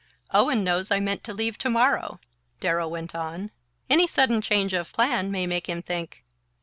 "Owen knows I meant to leave tomorrow," Darrow went on. "Any sudden change of plan may make him think..."